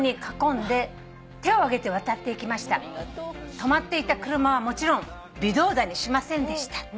「止まっていた車はもちろん微動だにしませんでした」